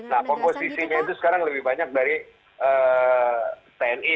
nah komposisinya itu sekarang lebih banyak dari tni